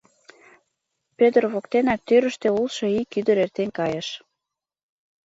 Пӧдыр воктенак тӱрыштӧ улшо ик ӱдыр эртен кайыш.